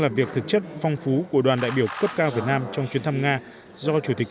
làm việc thực chất phong phú của đoàn đại biểu cấp cao việt nam trong chuyến thăm nga do chủ tịch